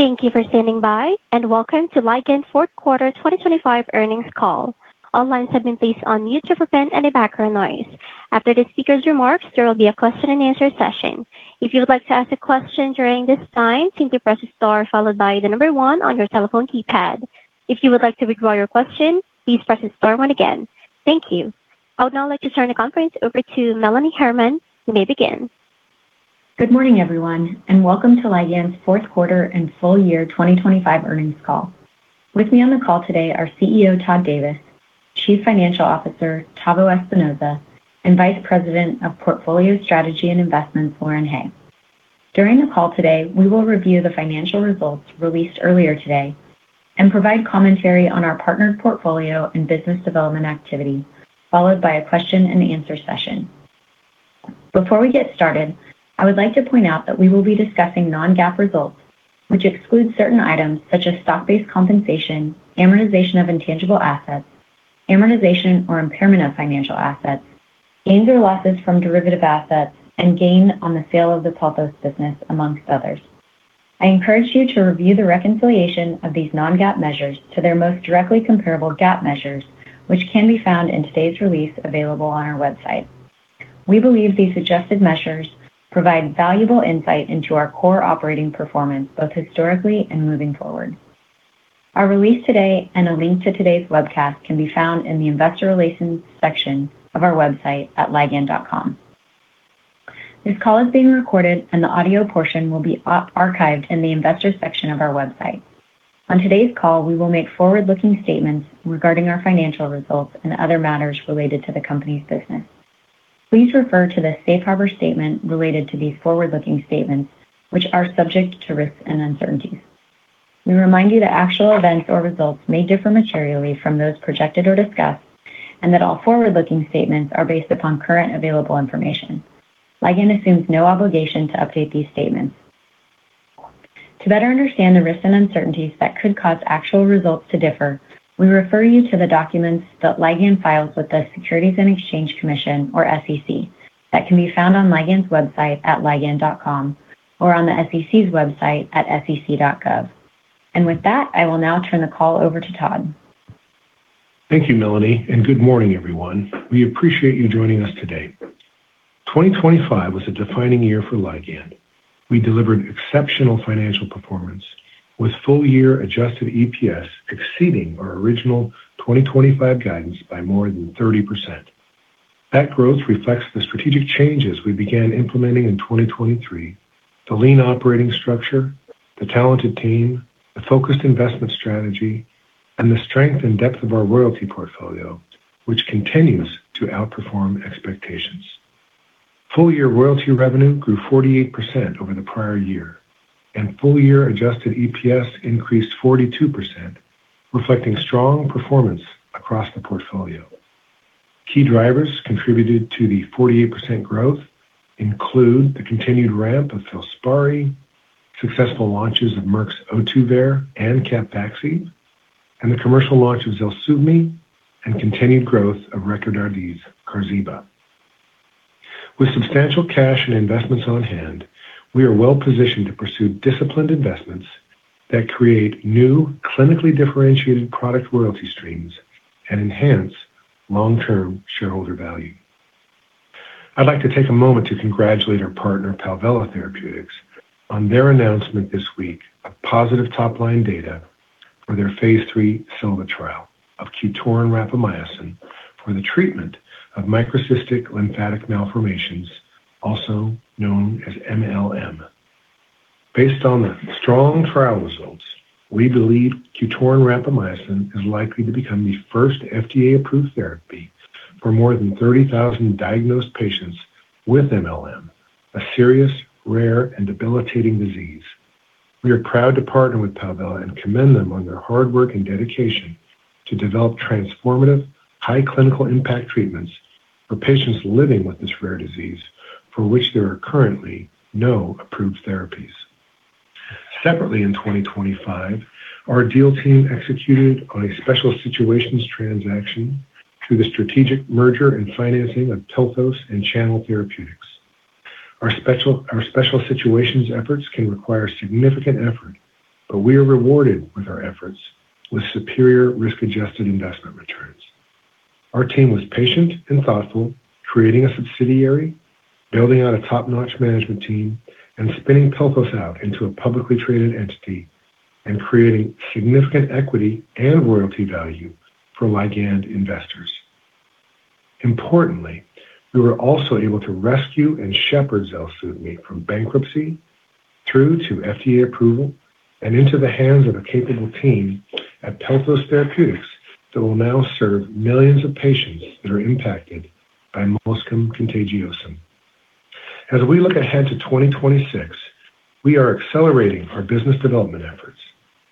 Thank you for standing by, and welcome to Ligand's Q4 2025 earnings call. All lines have been placed on mute to prevent any background noise. After the speaker's remarks, there will be a question-and-answer session. If you would like to ask a question during this time, simply press star followed by one on your telephone keypad. If you would like to withdraw your question, please press star one again. Thank you. I would now like to turn the conference over to Melanie Herman. You may begin. Good morning, everyone, and welcome to Ligand's Q4 and full-year 2025 earnings call. With me on the call today are CEO, Todd Davis, Chief Financial Officer, Tavo Espinoza, and Vice President of Portfolio Strategy and Investments, Lauren Hay. During the call today, we will review the financial results released earlier today and provide commentary on our partnered portfolio and business development activity, followed by a question-and-answer session. Before we get started, I would like to point out that we will be discussing non-GAAP results, which exclude certain items such as stock-based compensation, amortization of intangible assets, amortization or impairment of financial assets, gains or losses from derivative assets, and gain on the sale of the Pelthos business, amongst others. I encourage you to review the reconciliation of these non-GAAP measures to their most directly comparable GAAP measures, which can be found in today's release available on our website. We believe these adjusted measures provide valuable insight into our core operating performance, both historically and moving forward. Our release today and a link to today's webcast can be found in the Investor Relations section of our website at ligand.com. This call is being recorded, and the audio portion will be archived in the Investors section of our website. On today's call, we will make forward-looking statements regarding our financial results and other matters related to the company's business. Please refer to the safe harbor statement related to these forward-looking statements, which are subject to risks and uncertainties. We remind you that actual events or results may differ materially from those projected or discussed, that all forward-looking statements are based upon current available information. Ligand assumes no obligation to update these statements. To better understand the risks and uncertainties that could cause actual results to differ, we refer you to the documents that Ligand files with the Securities and Exchange Commission or SEC, that can be found on Ligand's website at ligand.com or on the SEC's website at sec.gov. With that, I will now turn the call over to Todd. Thank you, Melanie, and good morning, everyone. We appreciate you joining us today. 2025 was a defining year for Ligand. We delivered exceptional financial performance, with full-year adjusted EPS exceeding our original 2025 guidance by more than 30%. That growth reflects the strategic changes we began implementing in 2023, the lean operating structure, the talented team, the focused investment strategy, and the strength and depth of our royalty portfolio, which continues to outperform expectations. Full-year royalty revenue grew 48% over the prior year, and full-year adjusted EPS increased 42%, reflecting strong performance across the portfolio. Key drivers contributed to the 48% growth include the continued ramp of FILSPARI, successful launches of Merck's Ohtuvayre and CAPVAXIVE, and the commercial launch of ZELSUVMI, and continued growth of Recordati's QARZIBA. With substantial cash and investments on hand, we are well-positioned to pursue disciplined investments that create new, clinically differentiated product royalty streams and enhance long-term shareholder value. I'd like to take a moment to congratulate our partner, Palvella Therapeutics, on their announcement this week of positive top-line data for their phase III SELVA trial of QTORIN rapamycin for the treatment of microcystic lymphatic malformations, also known as MLM. Based on the strong trial results, we believe QTORIN rapamycin is likely to become the first FDA-approved therapy for more than 30,000 diagnosed patients with MLM, a serious, rare, and debilitating disease. We are proud to partner with Palvella and commend them on their hard work and dedication to develop transformative, high clinical impact treatments for patients living with this rare disease, for which there are currently no approved therapies. Separately, in 2025, our deal team executed on a special situations transaction through the strategic merger and financing of Pelthos and Channel Therapeutics. Our special situations efforts can require significant effort, but we are rewarded with our efforts with superior risk-adjusted investment returns. Our team was patient and thoughtful, creating a subsidiary, building out a top-notch management team, and spinning Pelthos out into a publicly traded entity and creating significant equity and royalty value for Ligand investors. Importantly, we were also able to rescue and shepherd ZELSUVMI from bankruptcy through to FDA approval and into the hands of a capable team at Pelthos Therapeutics that will now serve millions of patients that are impacted by molluscum contagiosum. We look ahead to 2026, we are accelerating our business development efforts.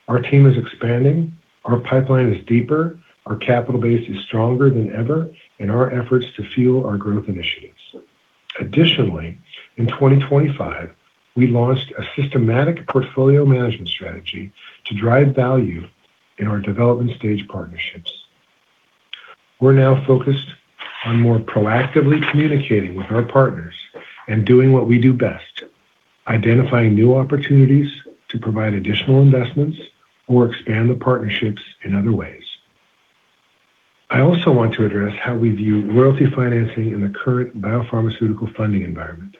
Our team is expanding, our pipeline is deeper, our capital base is stronger than ever in our efforts to fuel our growth initiatives. Additionally, in 2025, we launched a systematic portfolio management strategy to drive value in our development stage partnerships. We're now focused on more proactively communicating with our partners and doing what we do best: identifying new opportunities to provide additional investments or expand the partnerships in other ways. I also want to address how we view royalty financing in the current biopharmaceutical funding environment.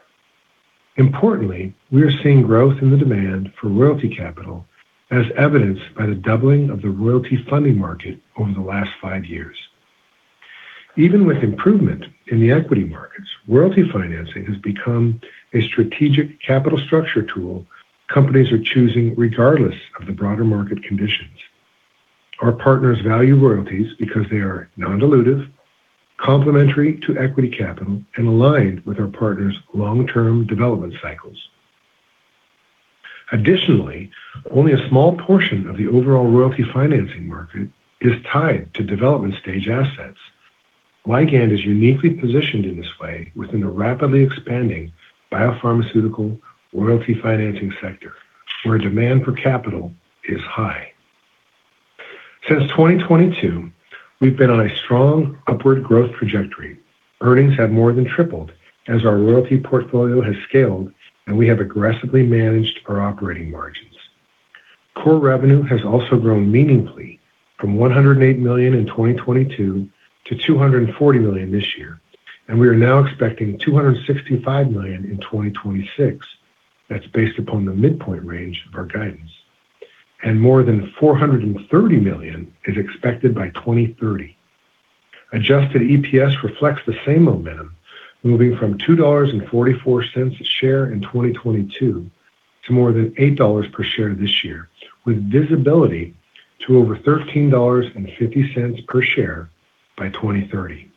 Importantly, we are seeing growth in the demand for royalty capital, as evidenced by the doubling of the royalty funding market over the last five years. Even with improvement in the equity markets, royalty financing has become a strategic capital structure tool companies are choosing regardless of the broader market conditions. Our partners value royalties because they are non-dilutive, complementary to equity capital, and aligned with our partners' long-term development cycles. Additionally, only a small portion of the overall royalty financing market is tied to development stage assets. Ligand is uniquely positioned in this way within the rapidly expanding biopharmaceutical royalty financing sector, where demand for capital is high. Since 2022, we've been on a strong upward growth trajectory. Earnings have more than tripled as our royalty portfolio has scaled, and we have aggressively managed our operating margins. Core revenue has also grown meaningfully from $108 million in 2022 to $240 million this year, and we are now expecting $265 million in 2026. That's based upon the midpoint range of our guidance. More than $430 million is expected by 2030. Adjusted EPS reflects the same momentum, moving from $2.44 a share in 2022 to more than $8 per share this year, with visibility to over $13.50 per share by 2030.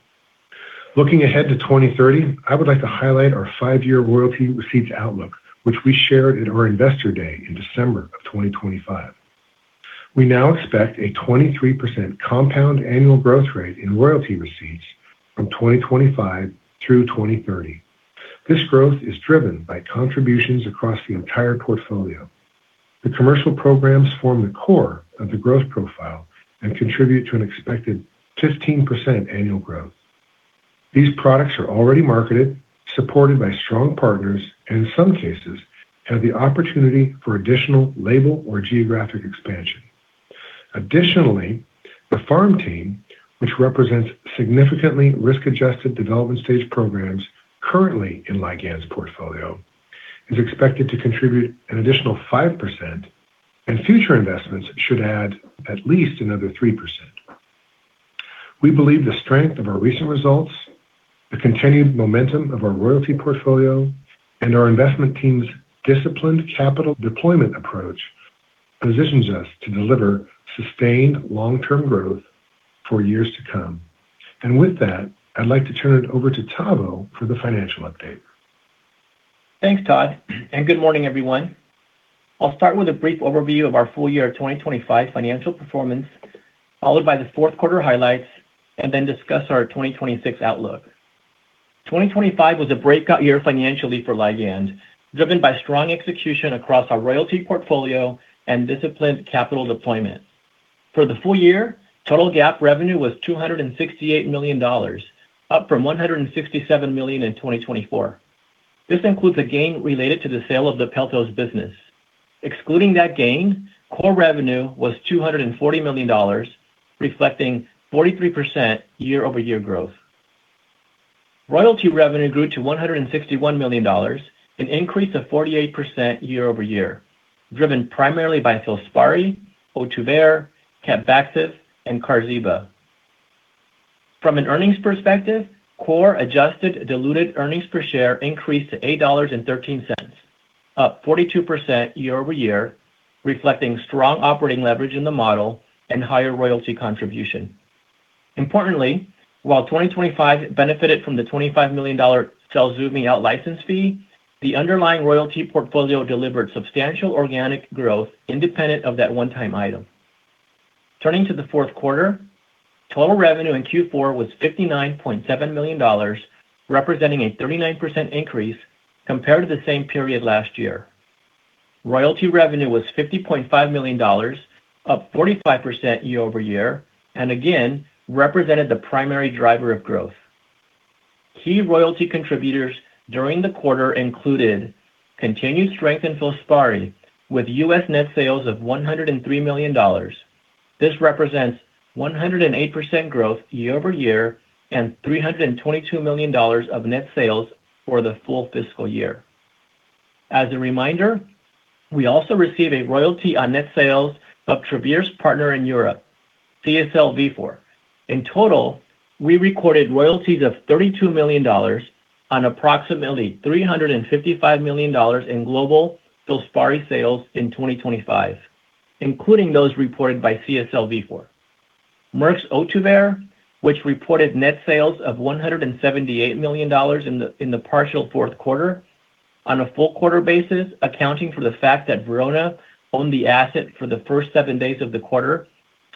Looking ahead to 2030, I would like to highlight our five-year royalty receipts outlook, which we shared at our Investor Day in December of 2025. We now expect a 23% compound annual growth rate in royalty receipts from 2025 through 2030. This growth is driven by contributions across the entire portfolio. The commercial programs form the core of the growth profile and contribute to an expected 15% annual growth. These products are already marketed, supported by strong partners, and in some cases, have the opportunity for additional label or geographic expansion. Additionally, the farm team, which represents significantly risk-adjusted development stage programs currently in Ligand's portfolio, is expected to contribute an additional 5%, and future investments should add at least another 3%. We believe the strength of our recent results, the continued momentum of our royalty portfolio, and our investment team's disciplined capital deployment approach positions us to deliver sustained long-term growth for years to come. With that, I'd like to turn it over to Tavo for the financial update. Thanks, Todd, and good morning, everyone. I'll start with a brief overview of our full year 2025 financial performance, followed by the Q4 highlights, then discuss our 2026 outlook. 2025 was a breakout year financially for Ligand, driven by strong execution across our royalty portfolio and disciplined capital deployment. For the full year, total GAAP revenue was $268 million, up from $167 million in 2024. This includes a gain related to the sale of the Pelthos business. Excluding that gain, core revenue was $240 million, reflecting 43% year-over-year growth. Royalty revenue grew to $161 million, an increase of 48% year-over-year, driven primarily by FILSPARI, Ohtuvayre, CAPVAXIVE, and QARZIBA. From an earnings perspective, core adjusted diluted earnings per share increased to $8.13, up 42% year-over-year, reflecting strong operating leverage in the model and higher royalty contribution. Importantly, while 2025 benefited from the $25 million ZELSUVMI out-license fee, the underlying royalty portfolio delivered substantial organic growth independent of that one-time item. Turning to the Q4, total revenue in Q4 was $59.7 million, representing a 39% increase compared to the same period last year. Royalty revenue was $50.5 million, up 45% year-over-year, and again represented the primary driver of growth. Key royalty contributors during the quarter included continued strength in FILSPARI, with U.S. net sales of $103 million. This represents 108% growth year-over-year and $322 million of net sales for the full fiscal year. As a reminder, we also receive a royalty on net sales of Travere's partner in Europe, CSL Vifor. In total, we recorded royalties of $32 million on approximately $355 million in global FILSPARI sales in 2025, including those reported by CSL Vifor. Merck's Ohtuvayre, which reported net sales of $178 million in the partial Q4. On a full quarter basis, accounting for the fact that Verona owned the asset for the first seven days of the quarter,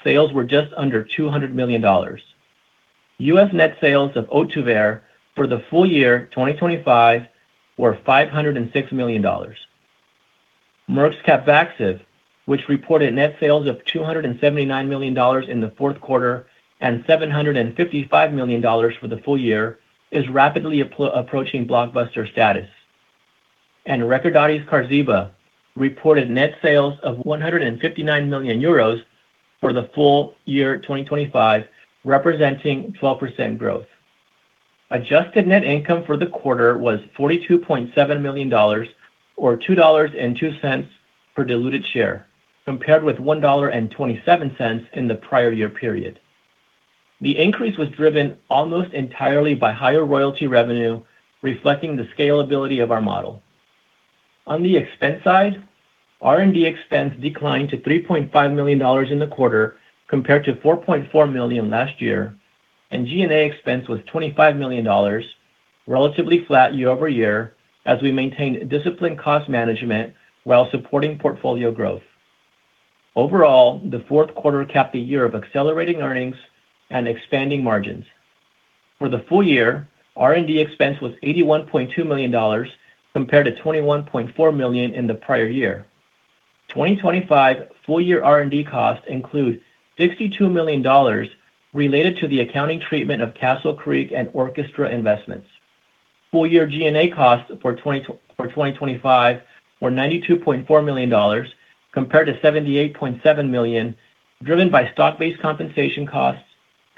sales were just under $200 million. U.S. net sales of Ohtuvayre for the full year 2025 were $506 million. Merck's CAPVAXIVE, which reported net sales of $279 million in the Q4 and $755 million for the full year, is rapidly approaching blockbuster status. Recordati's QARZIBA reported net sales of 159 million euros for the full year 2025, representing 12% growth. Adjusted net income for the quarter was $42.7 million or $2.02 per diluted share, compared with $1.27 in the prior year period. The increase was driven almost entirely by higher royalty revenue, reflecting the scalability of our model. On the expense side, R&D expense declined to $3.5 million in the quarter, compared to $4.4 million last year. G&A expense was $25 million, relatively flat year-over-year, as we maintained disciplined cost management while supporting portfolio growth. Overall, the Q4 capped a year of accelerating earnings and expanding margins. For the full year, R&D expense was $81.2 million compared to $21.4 million in the prior year. 2025 full-year R&D costs include $62 million related to the accounting treatment of Castle Creek and Orchestra investments. Full-year G&A costs for 2025 were $92.4 million, compared to $78.7 million, driven by stock-based compensation costs,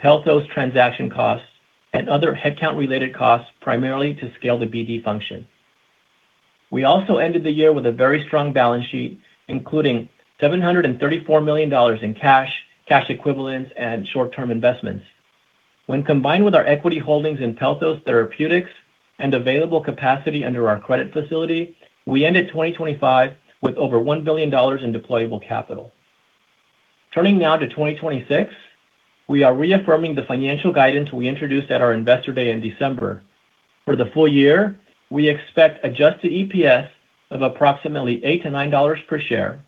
Pelthos transaction costs, and other headcount-related costs, primarily to scale the BD function. We also ended the year with a very strong balance sheet, including $734 million in cash equivalents, and short-term investments. When combined with our equity holdings in Pelthos Therapeutics and available capacity under our credit facility, we ended 2025 with over $1 billion in deployable capital. Turning now to 2026, we are reaffirming the financial guidance we introduced at our Investor Day in December. For the full year, we expect adjusted EPS of approximately $8-$9 per share,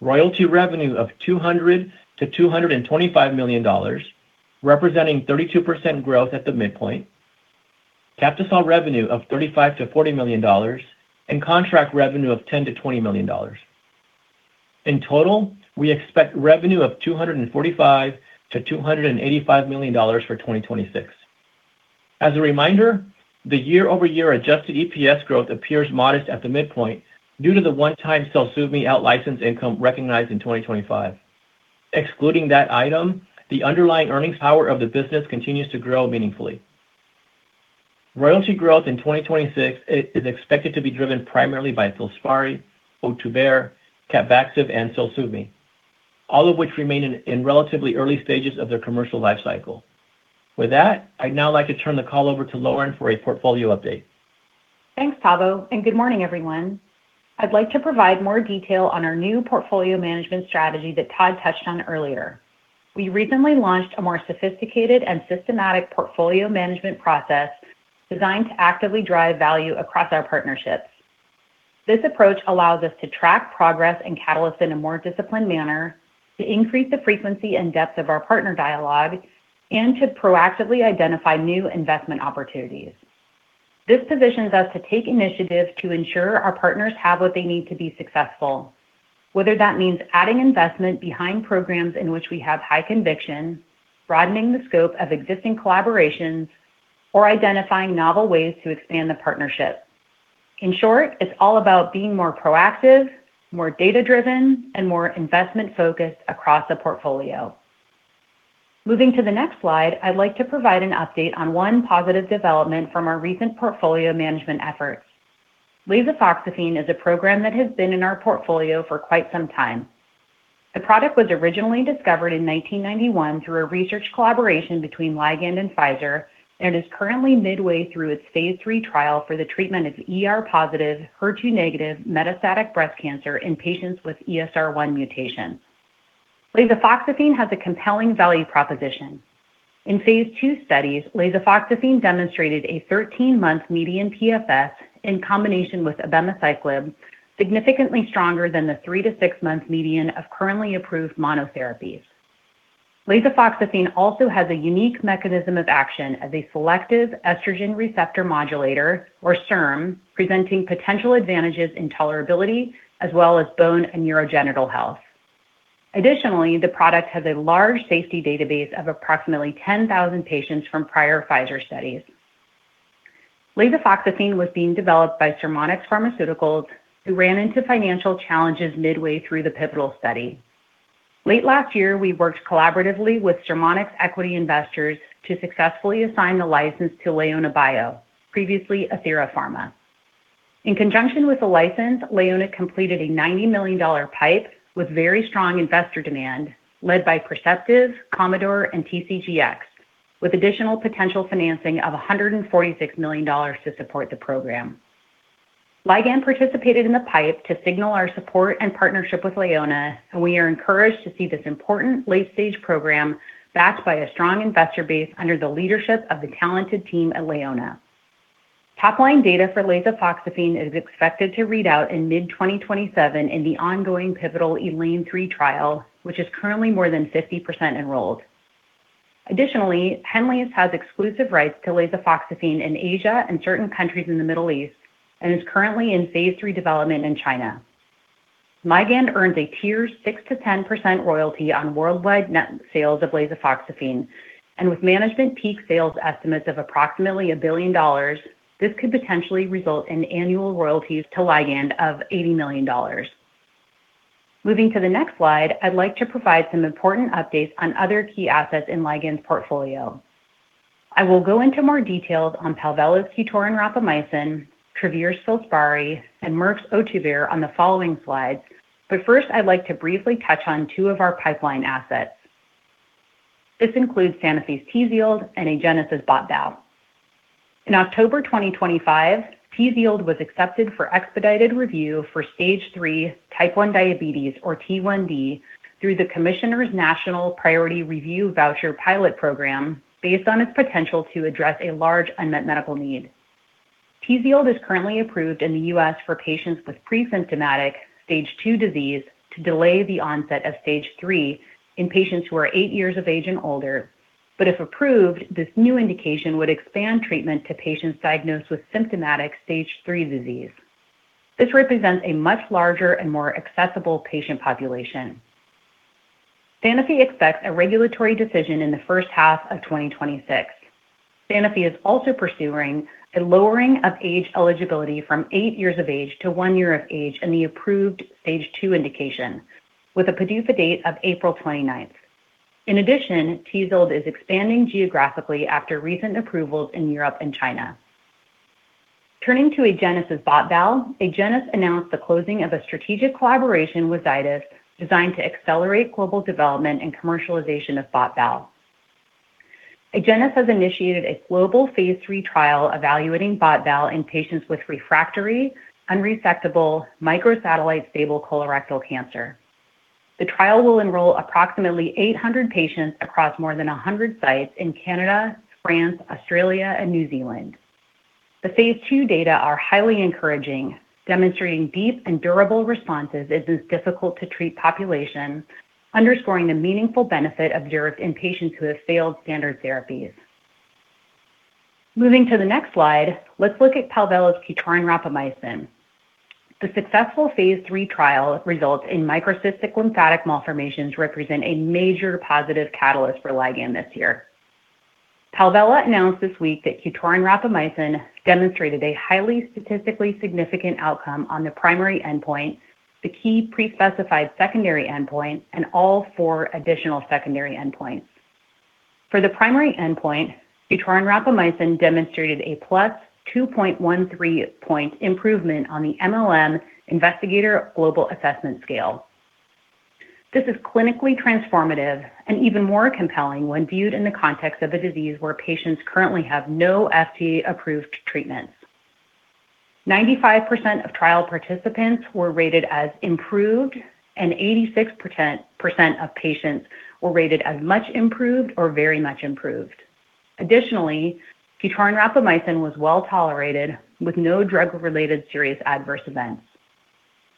royalty revenue of $200 million-$225 million, representing 32% growth at the midpoint, Captisol revenue of $35 million-$40 million, and contract revenue of $10 million-$20 million. In total, we expect revenue of $245 million-$285 million for 2026. As a reminder, the year-over-year adjusted EPS growth appears modest at the midpoint due to the one-time ZELSUVMI outlicense income recognized in 2025. Excluding that item, the underlying earnings power of the business continues to grow meaningfully. Royalty growth in 2026 is expected to be driven primarily by FILSPARI, Ohtuvayre, CAPVAXIVE, and ZELSUVMI, all of which remain in relatively early stages of their commercial life cycle. With that, I'd now like to turn the call over to Lauren for a portfolio update. Thanks, Tavo. Good morning, everyone. I'd like to provide more detail on our new portfolio management strategy that Todd touched on earlier. We recently launched a more sophisticated and systematic portfolio management process designed to actively drive value across our partnerships. This approach allows us to track progress and catalysts in a more disciplined manner, to increase the frequency and depth of our partner dialogue, and to proactively identify new investment opportunities. This positions us to take initiative to ensure our partners have what they need to be successful, whether that means adding investment behind programs in which we have high conviction, broadening the scope of existing collaborations, or identifying novel ways to expand the partnership. In short, it's all about being more proactive, more data-driven, and more investment-focused across the portfolio. Moving to the next slide, I'd like to provide an update on one positive development from our recent portfolio management efforts. Lasofoxifene is a program that has been in our portfolio for quite some time. The product was originally discovered in 1991 through a research collaboration between Ligand and Pfizer and is currently midway through its phase III trial for the treatment of ER-positive, HER2-negative metastatic breast cancer in patients with ESR1 mutation. Lasofoxifene has a compelling value proposition. In phase II studies, lasofoxifene demonstrated a 13-month median PFS in combination with abemaciclib, significantly stronger than the three-to-six-month median of currently approved monotherapies. Lasofoxifene also has a unique mechanism of action as a selective estrogen receptor modulator, or SERM, presenting potential advantages in tolerability as well as bone and urogenital health. Additionally, the product has a large safety database of approximately 10,000 patients from prior Pfizer studies. Lasofoxifene was being developed by Sermonix Pharmaceuticals, who ran into financial challenges midway through the pivotal study. Late last year, we worked collaboratively with Sermonix equity investors to successfully assign the license to LeonaBio, previously Athira Pharma. In conjunction with the license, Leona completed a $90 million PIPE with very strong investor demand led by Perceptive, COMMODORE, and TCGX, with additional potential financing of $146 million to support the program. Ligand participated in the PIPE to signal our support and partnership with Leona, and we are encouraged to see this important late-stage program backed by a strong investor base under the leadership of the talented team at Leona. Top-line data for lasofoxifene is expected to read out in mid-2027 in the ongoing pivotal ELANE-3 trial, which is currently more than 50% enrolled. Henlius' has exclusive rights to lasofoxifene in Asia and certain countries in the Middle East, and is currently in phase III development in China. Ligand earns a tier 6%-10% royalty on worldwide net sales of lasofoxifene, with management peak sales estimates of approximately $1 billion, this could potentially result in annual royalties to Ligand of $80 million. Moving to the next slide, I'd like to provide some important updates on other key assets in Ligand's portfolio. I will go into more details on Palvella's QTORIN rapamycin, Travere's FILSPARI, and Merck's Ohtuvayre on the following slides. First, I'd like to briefly touch on two of our pipeline assets. This includes Sanofi's TZIELD and Agenus's Botensilimab. In October 2025, TZIELD was accepted for expedited review for Stage 3 Type 1 diabetes or T1D, through the Commissioner's National Priority Voucher Pilot Program, based on its potential to address a large unmet medical need. TZIELD is currently approved in the US for patients with pre-symptomatic Stage 2 disease to delay the onset of Stage 3 in patients who are eight years of age and older. If approved, this new indication would expand treatment to patients diagnosed with symptomatic Stage 3 disease. This represents a much larger and more accessible patient population. Sanofi expects a regulatory decision in the H1 of 2026. Sanofi is also pursuing a lowering of age eligibility from eight years of age to one year of age in the approved Stage 2 indication, with a PDUFA date of April 29th. In addition, TZIELD is expanding geographically after recent approvals in Europe and China. Turning to Agenus's Botensilimab, Agenus announced the closing of a strategic collaboration with Zydus, designed to accelerate global development and commercialization of Botensilimab. Agenus has initiated a global phase III trial evaluating Botensilimab in patients with refractory, unresectable, microsatellite stable colorectal cancer. The trial will enroll approximately 800 patients across more than 100 sites in Canada, France, Australia, and New Zealand. The phase II data are highly encouraging, demonstrating deep and durable responses in this difficult-to-treat population, underscoring the meaningful benefit observed in patients who have failed standard therapies. Moving to the next slide, let's look at Palvella's QTORIN rapamycin. The successful phase III trial results in microcystic lymphatic malformations represent a major positive catalyst for Ligand this year. Palvella announced this week that QTORIN rapamycin demonstrated a highly statistically significant outcome on the primary endpoint, the key pre-specified secondary endpoint, and all four additional secondary endpoints. For the primary endpoint, QTORIN rapamycin demonstrated a +2.13 point improvement on the MLM Investigator Global Assessment Scale. This is clinically transformative and even more compelling when viewed in the context of a disease where patients currently have no FDA-approved treatments. 95% of trial participants were rated as improved, and 86% of patients were rated as much improved or very much improved. Additionally, QTORIN rapamycin was well-tolerated, with no drug-related serious adverse events.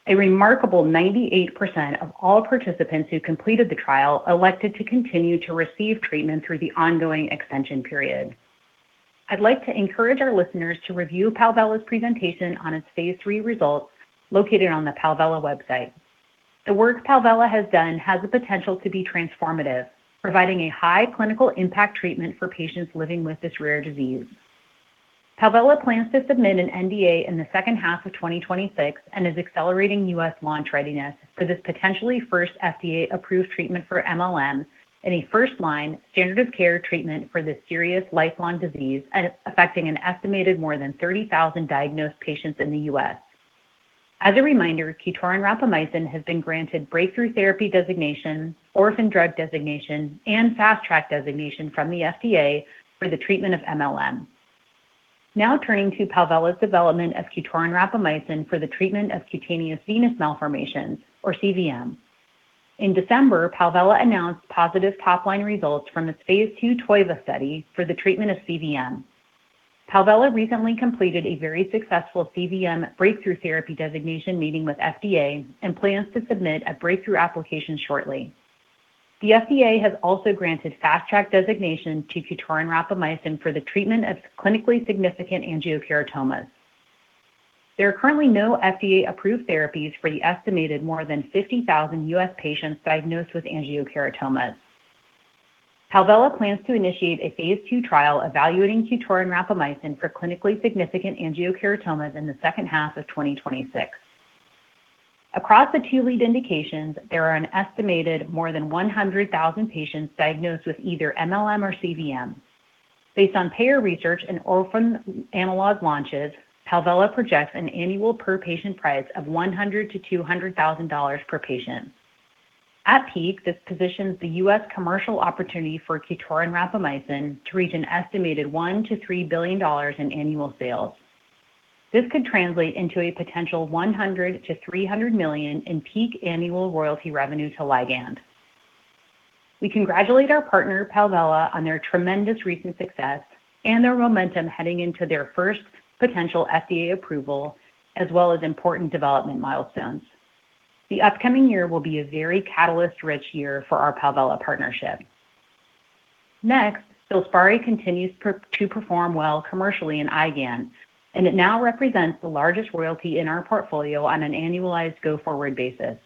A remarkable 98% of all participants who completed the trial elected to continue to receive treatment through the ongoing extension period. I'd like to encourage our listeners to review Palvella's presentation on its phase III results, located on the Palvella website. The work Palvella has done has the potential to be transformative, providing a high clinical impact treatment for patients living with this rare disease. Palvella plans to submit an NDA in the H2 of 2026 and is accelerating U.S. launch readiness for this potentially first FDA-approved treatment for MLM in a first-line standard of care treatment for this serious lifelong disease, affecting an estimated more than 30,000 diagnosed patients in the U.S. As a reminder, QTORIN rapamycin has been granted breakthrough therapy designation, orphan drug designation, and fast track designation from the FDA for the treatment of MLM. Turning to Palvella's development of QTORIN rapamycin for the treatment of cutaneous venous malformations or CVM. In December, Palvella announced positive top-line results from its phase II TOIVA study for the treatment of CVM. Palvella recently completed a very successful CVM breakthrough therapy designation meeting with FDA and plans to submit a breakthrough application shortly. The FDA has also granted fast track designation to QTORIN rapamycin for the treatment of clinically significant angiokeratomas. There are currently no FDA-approved therapies for the estimated more than 50,000 U.S. patients diagnosed with angiokeratomas. Palvella plans to initiate a phase II trial evaluating QTORIN rapamycin for clinically significant angiokeratomas in the H2 of 2026. Across the two lead indications, there are an estimated more than 100,000 patients diagnosed with either MLM or CVM. Based on payer research and orphan analog launches, Palvella projects an annual per-patient price of $100,000-$200,000 per patient. At peak, this positions the U.S. commercial opportunity for QTORIN rapamycin to reach an estimated $1 billion-$3 billion in annual sales. This could translate into a potential $100 million-$300 million in peak annual royalty revenue to Ligand. We congratulate our partner, Palvella, on their tremendous recent success and their momentum heading into their first potential FDA approval, as well as important development milestones. The upcoming year will be a very catalyst-rich year for our Palvella partnership. Next, FILSPARI continues to perform well commercially in IgAN, and it now represents the largest royalty in our portfolio on an annualized go-forward basis.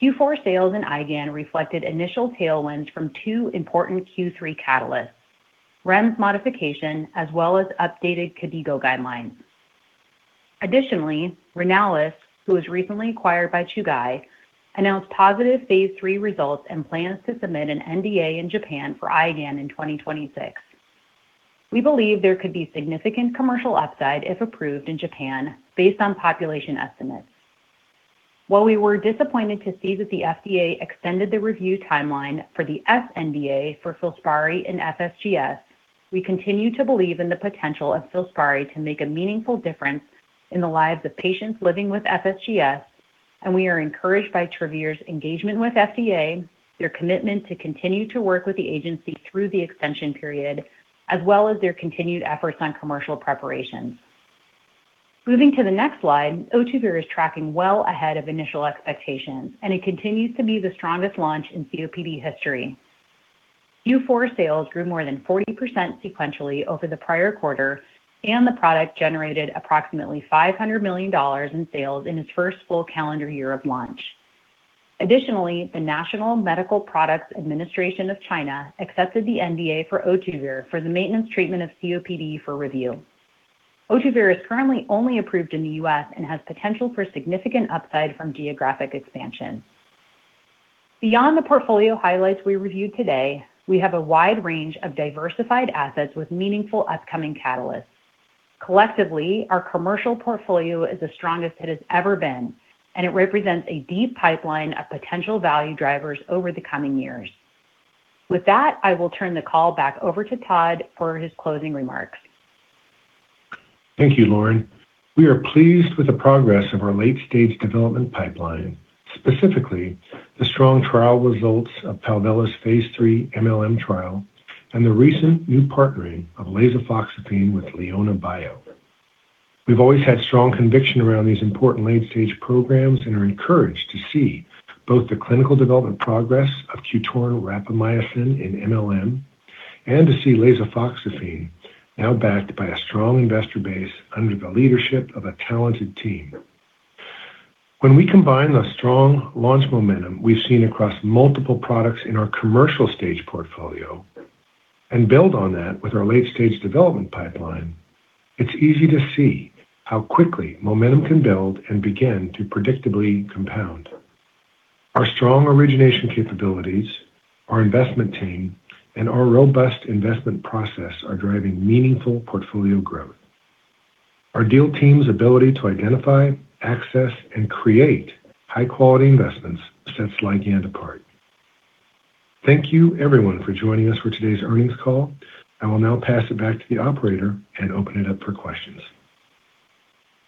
Q4 sales in IgAN reflected initial tailwinds from two important Q3 catalysts: REMS modification, as well as updated KDIGO guidelines. Renalys, who was recently acquired by Chugai, announced positive phase III results and plans to submit an NDA in Japan for IgAN in 2026. We believe there could be significant commercial upside if approved in Japan based on population estimates. While we were disappointed to see that the FDA extended the review timeline for the sNDA for FILSPARI and FSGS, we continue to believe in the potential of FILSPARI to make a meaningful difference in the lives of patients living with FSGS. We are encouraged by Travere's engagement with FDA, their commitment to continue to work with the agency through the extension period, as well as their continued efforts on commercial preparation. Moving to the next slide, Ohtuvayre is tracking well ahead of initial expectations. It continues to be the strongest launch in COPD history. Q4 sales grew more than 40% sequentially over the prior quarter. The product generated approximately $500 million in sales in its first full calendar year of launch. Additionally, the National Medical Products Administration of China accepted the NDA for Ohtuvayre for the maintenance treatment of COPD for review. Ohtuvayre is currently only approved in the U.S. and has potential for significant upside from geographic expansion. Beyond the portfolio highlights we reviewed today, we have a wide range of diversified assets with meaningful upcoming catalysts. Collectively, our commercial portfolio is the strongest it has ever been, and it represents a deep pipeline of potential value drivers over the coming years. With that, I will turn the call back over to Todd for his closing remarks. Thank you, Lauren. We are pleased with the progress of our late-stage development pipeline, specifically the strong trial results of Palvella's phase III MLM trial and the recent new partnering of lasofoxifene with Leona Bio. We've always had strong conviction around these important late-stage programs and are encouraged to see both the clinical development progress of QTORIN rapamycin in MLM and to see lasofoxifene now backed by a strong investor base under the leadership of a talented team. We combine the strong launch momentum we've seen across multiple products in our commercial stage portfolio and build on that with our late-stage development pipeline, it's easy to see how quickly momentum can build and begin to predictably compound. Our strong origination capabilities, our investment team, and our robust investment process are driving meaningful portfolio growth. Our deal team's ability to identify, access, and create high-quality investments sets Ligand apart. Thank you everyone for joining us for today's earnings call. I will now pass it back to the operator and open it up for questions.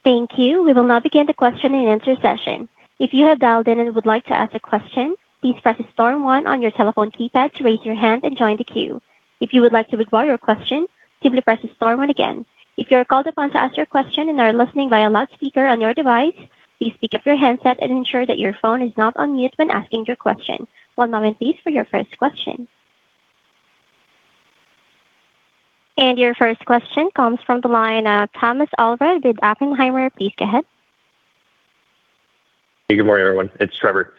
Thank you. We will now begin the question-and-answer session. If you have dialed in and would like to ask a question, please press star one on your telephone keypad to raise your hand and join the queue. If you would like to withdraw your question, simply press star one again. If you're called upon to ask your question and are listening via loudspeaker on your device, please pick up your handset and ensure that your phone is not on mute when asking your question. One moment, please, for your first question. Your first question comes from the line, Trevor Allred with Oppenheimer. Please go ahead. Hey, good morning, everyone. It's Trevor.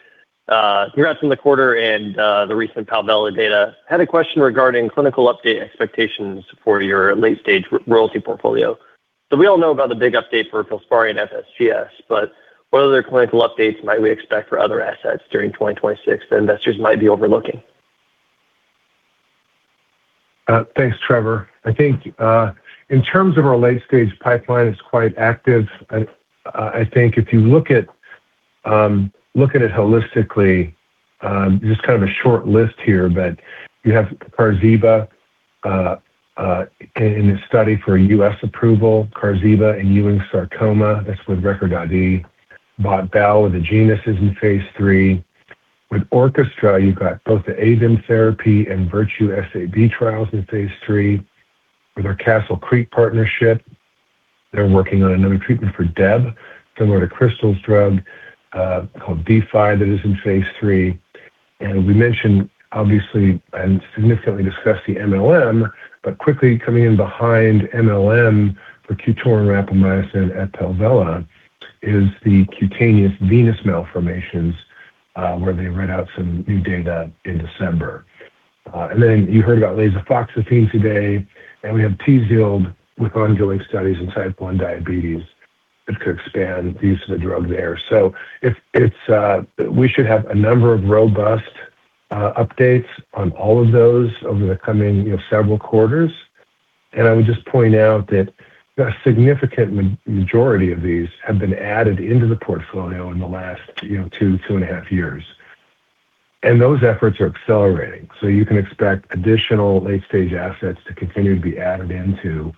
Congrats on the quarter and the recent Palvella data. Had a question regarding clinical update expectations for your late-stage royalty portfolio. We all know about the big update for FILSPARI and FSGS, but what other clinical updates might we expect for other assets during 2026 that investors might be overlooking? Thanks, Trevor. I think in terms of our late-stage pipeline, it's quite active. I think if you look at it holistically, just kind of a short list here, but you have QARZIBA in a study for U.S. approval, QARZIBA and Ewing Sarcoma. That's with Recordati. Basdow with the Genesis in phase III. With Orchestra, you've got both the AVIM therapy and Virtue SAB trials in phase III. With our Castle Creek partnership, they're working on another treatment for DEB, similar to Krystal's drug, called D-Fi. That is in phase III. We mentioned, obviously, and significantly discussed the MLM, but quickly coming in behind MLM for QTORIN rapamycin at Palvella is the cutaneous venous malformations, where they read out some new data in December. Then you heard about lasofoxifene today, and we have TZIELD with ongoing studies in Type 1 diabetes, which could expand the use of the drug there. If it's, We should have a number of robust updates on all of those over the coming, you know, several quarters. I would just point out that a significant majority of these have been added into the portfolio in the last, you know, two, two and a half years. Those efforts are accelerating, so you can expect additional late-stage assets to continue to be added into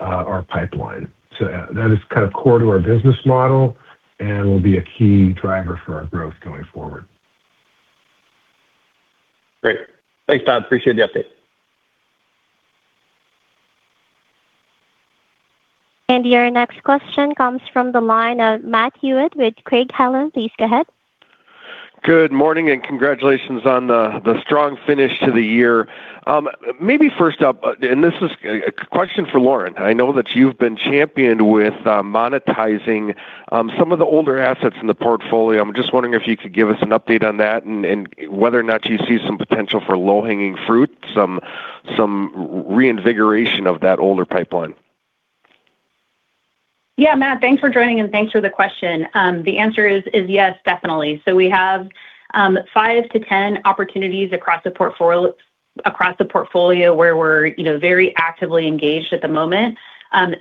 our pipeline. That is kind of core to our business model and will be a key driver for our growth going forward. Great. Thanks, Todd. Appreciate the update. Your next question comes from the line of Matt Hewitt with Craig-Hallum. Please go ahead. Good morning. Congratulations on the strong finish to the year. Maybe first up, this is a question for Lauren. I know that you've been championed with monetizing some of the older assets in the portfolio. I'm just wondering if you could give us an update on that and whether or not you see some potential for low-hanging fruit, some reinvigoration of that older pipeline? Matt, thanks for joining, and thanks for the question. The answer is yes, definitely. We have five to 10 opportunities across the portfolio where we're, you know, very actively engaged at the moment.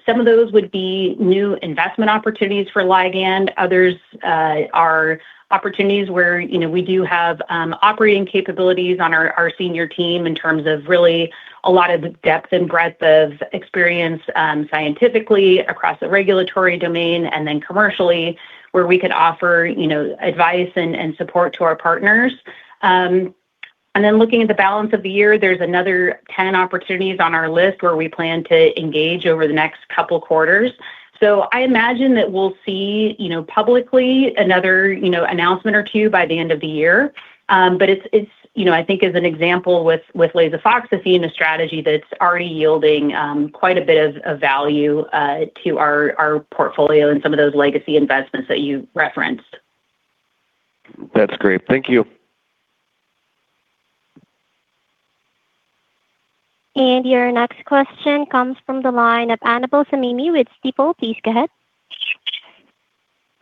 Some of those would be new investment opportunities for Ligand. Others are opportunities where, you know, we do have operating capabilities on our senior team in terms of really a lot of the depth and breadth of experience, scientifically across the regulatory domain, and then commercially, where we could offer, you know, advice and support to our partners. Looking at the balance of the year, there's another 10 opportunities on our list where we plan to engage over the next couple quarters. I imagine that we'll see, you know, publicly another, you know, announcement or two by the end of the year. But it's, you know, I think as an example with lasofoxifene, a strategy that's already yielding, quite a bit of value, to our portfolio and some of those legacy investments that you referenced. That's great. Thank you. Your next question comes from the line of Annabel Samimy with Stifel. Please go ahead.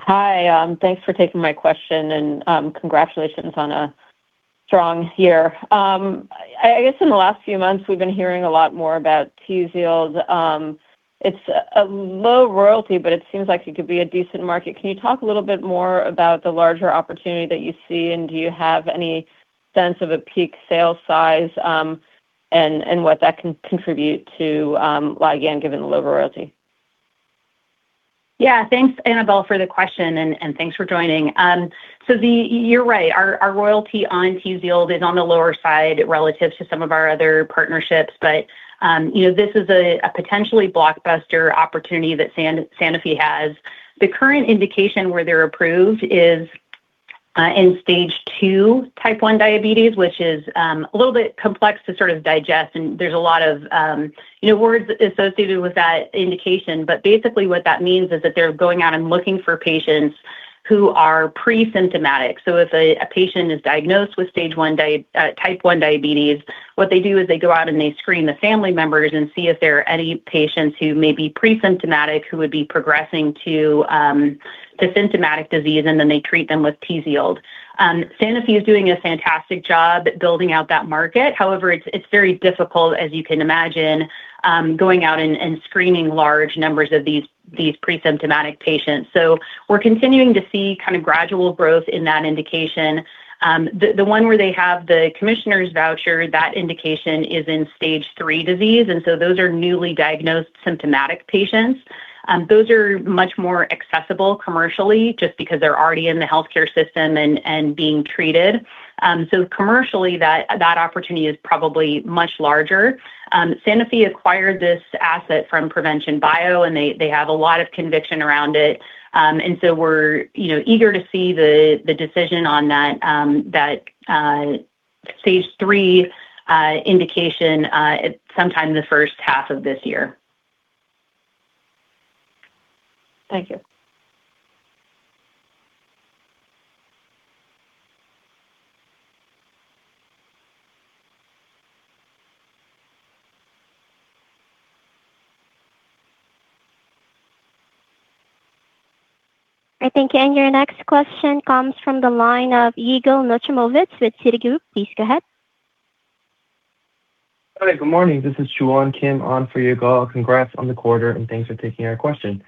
Hi, thanks for taking my question, and congratulations on a strong year. I guess in the last few months, we've been hearing a lot more about TZIELD. It's a low royalty, but it seems like it could be a decent market. Can you talk a little bit more about the larger opportunity that you see, and do you have any sense of a peak sales size, and what that can contribute to Ligand again, given the low royalty? Yeah. Thanks, Annabel, for the question, and thanks for joining. you're right. Our royalty on TZIELD is on the lower side relative to some of our other partnerships, but, you know, this is a potentially blockbuster opportunity that Sanofi has. The current indication where they're approved is in Stage 2 Type 1 Diabetes, which is a little bit complex to sort of digest, and there's a lot of, you know, words associated with that indication. Basically, what that means is that they're going out and looking for patients who are pre-symptomatic. If a patient is diagnosed with Stage 1 Type 1 diabetes, what they do is they go out and they screen the family members and see if there are any patients who may be pre-symptomatic, who would be progressing to symptomatic disease, and then they treat them with TZIELD. Sanofi is doing a fantastic job building out that market. It's very difficult, as you can imagine, going out and screening large numbers of these pre-symptomatic patients. We're continuing to see kind of gradual growth in that indication. The one where they have the Commissioner's voucher, that indication is in Stage 3 disease, those are newly diagnosed symptomatic patients. Those are much more accessible commercially, just because they're already in the healthcare system and being treated. Commercially, that opportunity is probably much larger. Sanofi acquired this asset from Provention Bio, and they have a lot of conviction around it. We're, you know, eager to see the decision on that Stage 3 indication sometime in the H1 of this year. Thank you. All right, thank you. Your next question comes from the line of Yigal Nochomovitz with Citigroup. Please go ahead. Hi, good morning. This is Joohwan Kim on for Yigal. Congrats on the quarter, and thanks for taking our question.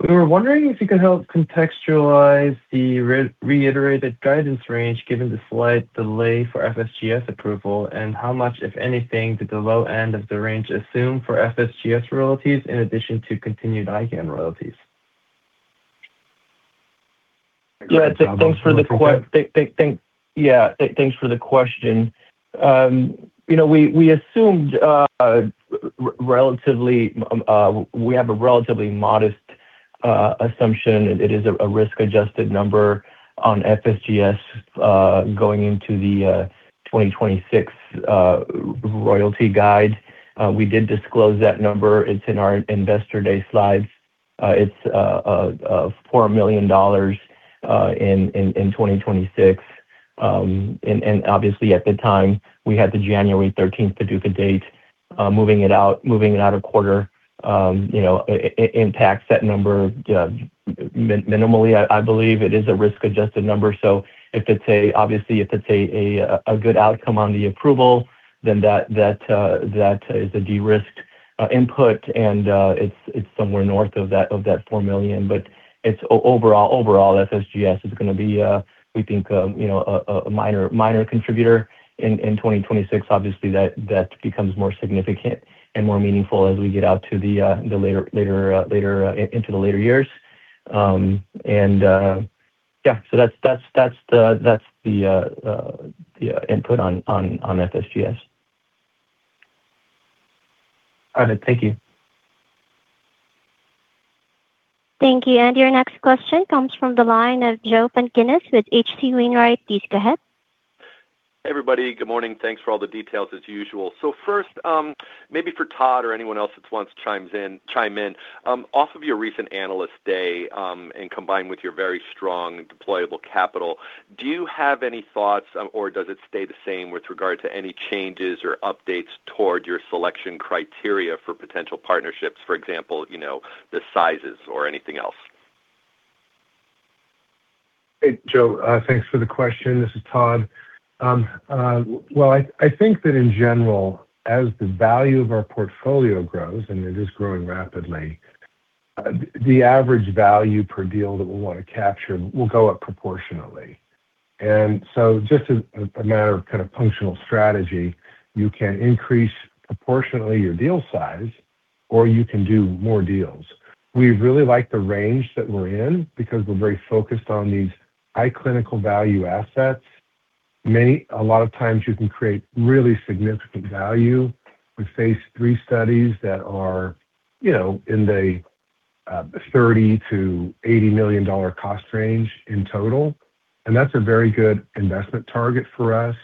We were wondering if you could help contextualize the reiterated guidance range, given the slight delay for FSGS approval, and how much, if anything, did the low end of the range assume for FSGS royalties, in addition to continued IgAN royalties? Yeah, thanks for the question. you know, we assumed we have a relatively modest assumption. It is a risk-adjusted number on FSGS going into the 2026 royalty guide. We did disclose that number. It's in our Investor Day slides. It's $4 million in 2026. Obviously, at the time, we had the January 13th PDUFA date, moving it out a quarter, you know, impacts that number minimally. I believe it is a risk-adjusted number, so if it's obviously, if it's a good outcome on the approval, then that is a de-risked input, and it's somewhere north of that $4 million. Overall FSGS is gonna be, we think, you know, a minor contributor in 2026. Obviously, that becomes more significant and more meaningful as we get out to the later years. Yeah, so that's the input on FSGS. All right, thank you. Thank you. Your next question comes from the line of Joe Pantginis with H.C. Wainwright. Please go ahead. Hey, everybody. Good morning. Thanks for all the details, as usual. First, maybe for Todd or anyone else that wants chime in. Off of your recent Analyst Day, and combined with your very strong deployable capital, do you have any thoughts, or does it stay the same with regard to any changes or updates toward your selection criteria for potential partnerships, for example, you know, the sizes or anything else? Hey, Joe. Thanks for the question. This is Todd. Well, I think that in general, as the value of our portfolio grows, and it is growing rapidly, the average value per deal that we want to capture will go up proportionally. Just as a matter of kind of functional strategy, you can increase proportionally your deal size, or you can do more deals. We really like the range that we're in because we're very focused on these high clinical value assets. A lot of times you can create really significant value with phase III studies that are, you know, in the $30 million-$80 million cost range in total. That's a very good investment target for us,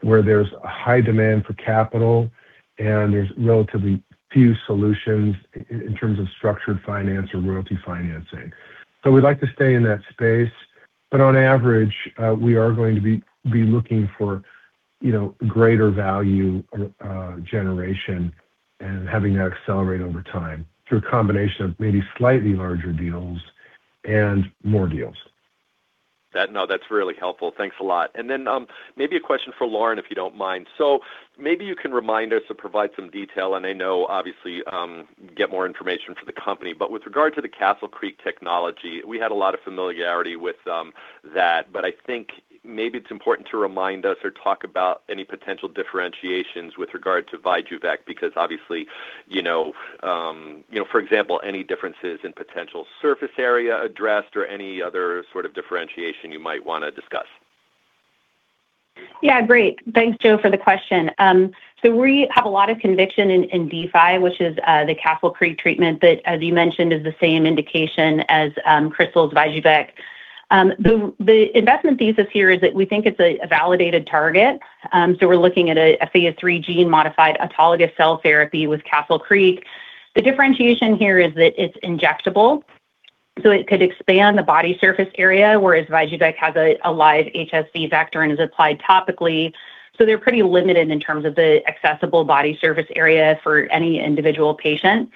where there's a high demand for capital and there's relatively few solutions in terms of structured finance or royalty financing. We'd like to stay in that space, but on average, we are going to be looking for, you know, greater value, generation and having that accelerate over time through a combination of maybe slightly larger deals and more deals. No, that's really helpful. Thanks a lot. Then, maybe a question for Lauren, if you don't mind. Maybe you can remind us or provide some detail, and I know, obviously, get more information from the company. With regard to the Castle Creek technology, we had a lot of familiarity with that, but I think maybe it's important to remind us or talk about any potential differentiations with regard to VYJUVEK, because obviously, you know, you know, for example, any differences in potential surface area addressed or any other sort of differentiation you might want to discuss. Yeah, great. Thanks, Joe, for the question. We have a lot of conviction in D-Fi, which is the Castle Creek treatment that, as you mentioned, is the same indication as Krystal's VYJUVEK. The investment thesis here is that we think it's a validated target. We're looking at a phase III gene-modified autologous cell therapy with Castle Creek. The differentiation here is that it's injectable, so it could expand the body surface area, whereas VYJUVEK has a live HSV vector and is applied topically, so they're pretty limited in terms of the accessible body surface area for any individual patient.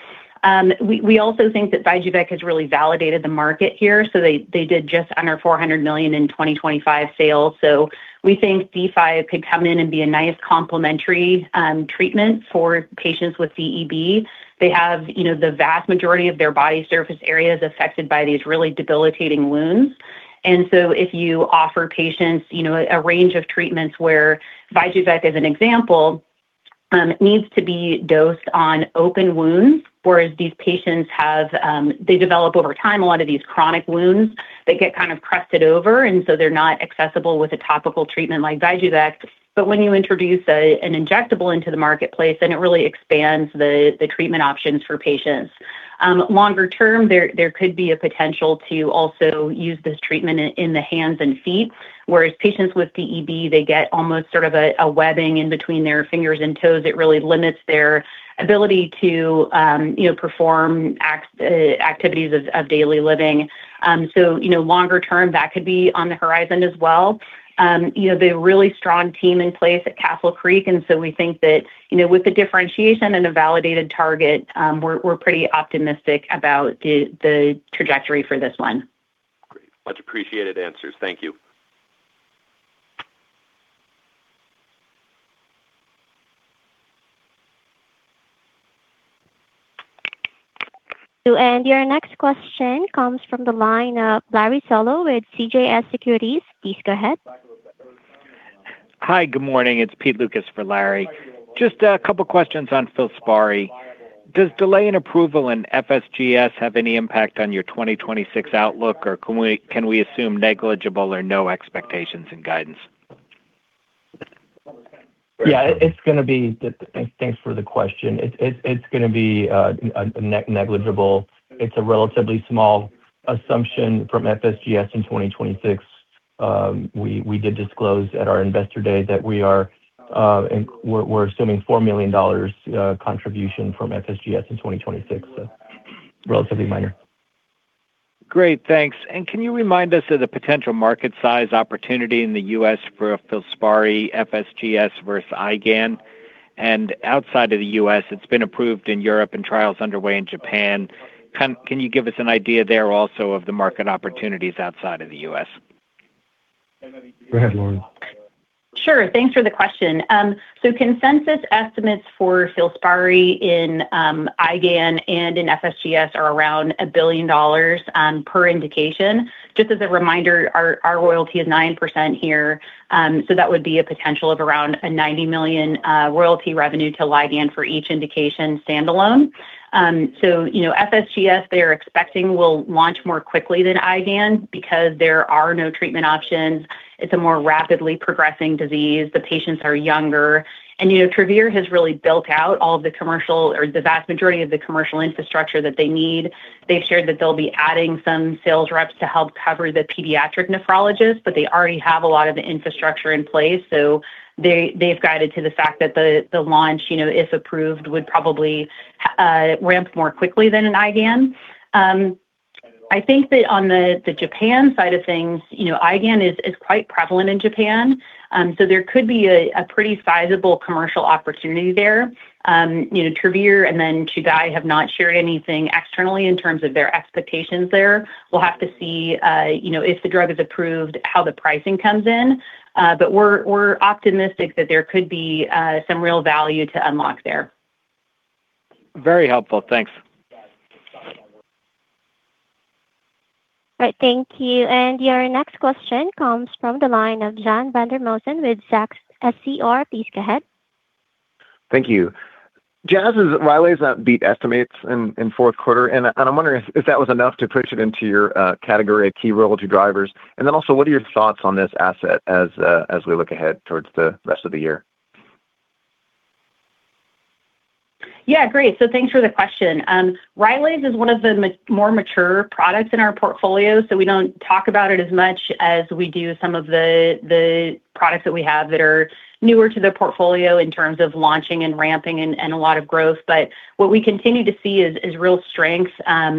We also think that VYJUVEK has really validated the market here. They did just under $400 million in 2025 sales, so we think D-Fi could come in and be a nice complementary treatment for patients with DEB. They have, you know, the vast majority of their body surface area is affected by these really debilitating wounds. If you offer patients, you know, a range of treatments where VYJUVEK, as an example, needs to be dosed on open wounds, whereas these patients have, they develop over time, a lot of these chronic wounds, they get kind of crusted over, and so they're not accessible with a topical treatment like VYJUVEK. When you introduce an injectable into the marketplace, then it really expands the treatment options for patients. Longer term, there could be a potential to also use this treatment in the hands and feet, whereas patients with DEB, they get almost sort of a webbing in between their fingers and toes that really limits their ability to, you know, perform activities of daily living. You know, longer term, that could be on the horizon as well. You know, they have a really strong team in place at Castle Creek. We think that, you know, with the differentiation and a validated target, we're pretty optimistic about the trajectory for this one. Great. Much appreciated answers. Thank you. Your next question comes from the line of Larry Solow with CJS Securities. Please go ahead. Hi, good morning. It's Pete Lucas for Larry. Just a couple of questions on FILSPARI. Does delay in approval in FSGS have any impact on your 2026 outlook, or can we assume negligible or no expectations and guidance? It's going to be. Thanks for the question. It's going to be negligible. It's a relatively small assumption from FSGS in 2026. We did disclose at our Investor Day that we are and we're assuming $4 million contribution from FSGS in 2026. Relatively minor. Great, thanks. Can you remind us of the potential market size opportunity in the U.S. for FILSPARI, FSGS versus IgAN? Outside of the U.S., it's been approved in Europe and trials underway in Japan. Can you give us an idea there also of the market opportunities outside of the U.S.? Go ahead, Lauren. Sure. Thanks for the question. Consensus estimates for FILSPARI in IgAN and in FSGS are around $1 billion per indication. Just as a reminder, our royalty is 9% here, that would be a potential of around $90 million royalty revenue to Ligand for each indication, standalone. You know, FSGS, they are expecting will launch more quickly than IgAN because there are no treatment options. It's a more rapidly progressing disease. The patients are younger. You know, Travere has really built out all of the commercial or the vast majority of the commercial infrastructure that they need. They've shared that they'll be adding some sales reps to help cover the pediatric nephrologist. They already have a lot of the infrastructure in place. They've guided to the fact that the launch, you know, if approved, would probably ramp more quickly than an IgAN. I think that on the Japan side of things, you know, IgAN is quite prevalent in Japan. There could be a pretty sizable commercial opportunity there. You know, Travere and then Chugai have not shared anything externally in terms of their expectations there. We'll have to see, you know, if the drug is approved, how the pricing comes in. We're optimistic that there could be, some real value to unlock there. Very helpful. Thanks. All right, thank you. Your next question comes from the line of John Vandermosten with Zacks SCR. Please go ahead. Thank you. Jazz's Rylaze beat estimates in Q4, I'm wondering if that was enough to push it into your category of key royalty drivers. Also, what are your thoughts on this asset as we look ahead towards the rest of the year? Yeah, great. Thanks for the question. Rylaze is one of the more mature products in our portfolio, so we don't talk about it as much as we do some of the products that we have that are newer to the portfolio in terms of launching and ramping and a lot of growth. What we continue to see is real strength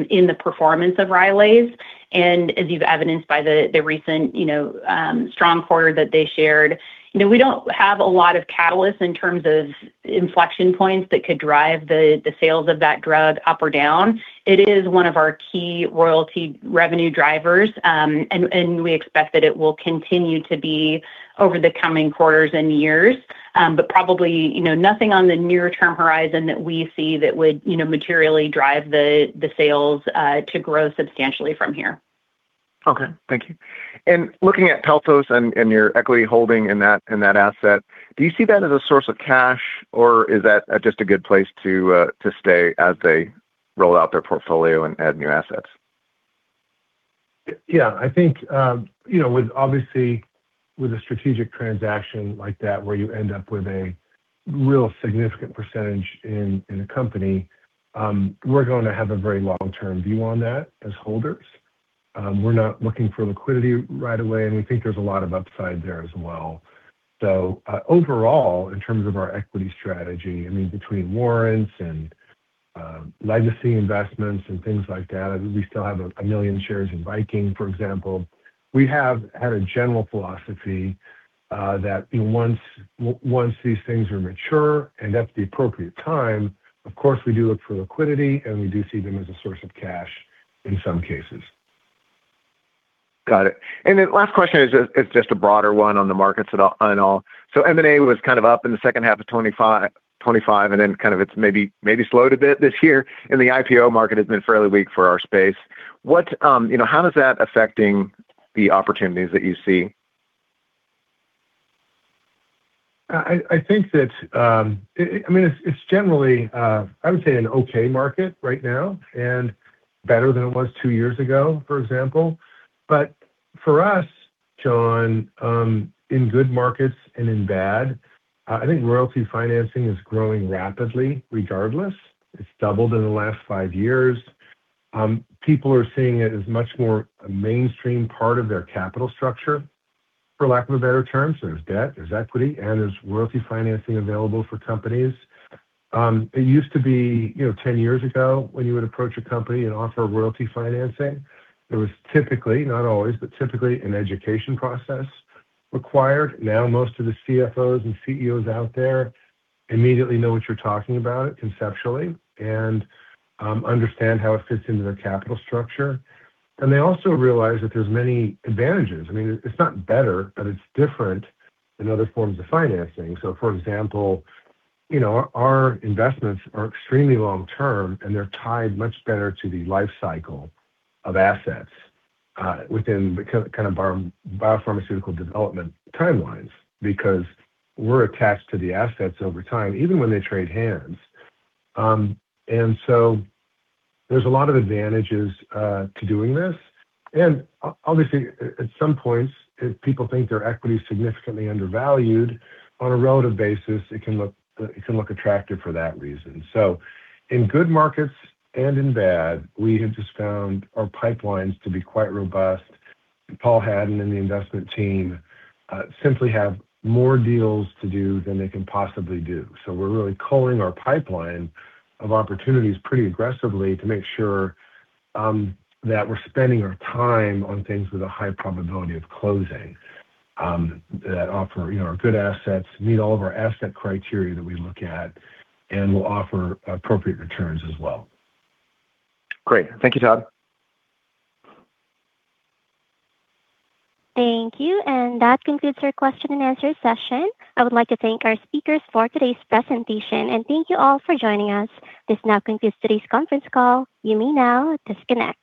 in the performance of Rylaze, and as you've evidenced by the recent, you know, strong quarter that they shared. You know, we don't have a lot of catalysts in terms of inflection points that could drive the sales of that drug up or down. It is one of our key royalty revenue drivers, and we expect that it will continue to be over the coming quarters and years, but probably, you know, nothing on the nearer term horizon that we see that would, you know, materially drive the sales to grow substantially from here. Looking at Pelthos and your equity holding in that asset, do you see that as a source of cash, or is that just a good place to stay as they roll out their portfolio and add new assets? Yeah, I think, you know, with obviously with a strategic transaction like that, where you end up with a real significant percentage in a company, we're going to have a very long-term view on that as holders. We're not looking for liquidity right away, and we think there's a lot of upside there as well. Overall, in terms of our equity strategy, I mean, between warrants and legacy investments and things like that, we still have one million shares in Viking, for example. We have had a general philosophy that, you know, once these things are mature and at the appropriate time, of course, we do look for liquidity, and we do see them as a source of cash in some cases. Got it. Last question is just a broader one on the markets at all in all. M&A was kind of up in the H2 of 2025, and then kind of it's maybe slowed a bit this year, and the IPO market has been fairly weak for our space. You know, how is that affecting the opportunities that you see? I think that it's generally I would say an okay market right now and better than it was two years ago, for example. For us, John, in good markets and in bad, I think royalty financing is growing rapidly regardless. It's doubled in the last five years. People are seeing it as much more a mainstream part of their capital structure, for lack of a better term. There's debt, there's equity, and there's royalty financing available for companies. It used to be, you know, 10 years ago, when you would approach a company and offer royalty financing, there was typically, not always, but typically an education process required. Now, most of the CFOs and CEOs out there immediately know what you're talking about conceptually and understand how it fits into their capital structure. They also realize that there's many advantages. I mean, it's not better, but it's different than other forms of financing. For example, you know, our investments are extremely long term, and they're tied much better to the life cycle of assets within the kind of biopharmaceutical development timelines, because we're attached to the assets over time, even when they trade hands. There's a lot of advantages to doing this. Obviously, at some points, if people think their equity is significantly undervalued on a relative basis, it can look attractive for that reason. In good markets and in bad, we have just found our pipelines to be quite robust. Paul Hadden and the investment team simply have more deals to do than they can possibly do. We're really culling our pipeline of opportunities pretty aggressively to make sure that we're spending our time on things with a high probability of closing, that offer, you know, are good assets, meet all of our asset criteria that we look at, and will offer appropriate returns as well. Great. Thank you, Todd. Thank you, and that concludes our question-and-answer session. I would like to thank our speakers for today's presentation, and thank you all for joining us. This now concludes today's conference call. You may now disconnect.